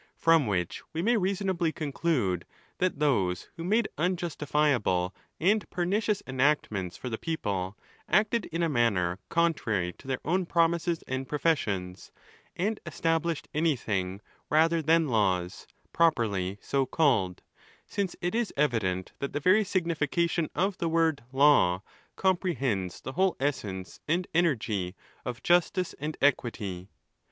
From which we may reasonably conclude, that those who made unjustifiable and pernicious enactments for the people, acted in a manner contrary to their own promises and professions, and established anything rather than laws, properly so called, since it is evident that the very signification of the word law, comprehends the whole essence and energy of justice and equity.